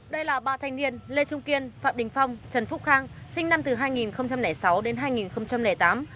đây là ba thanh niên lê trung kiên phạm đình phong trần phúc khang sinh năm hai nghìn sáu đến hai nghìn tám